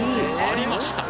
ありました